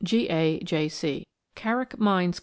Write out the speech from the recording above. G. A. J. C. CARRICKMINES, Co.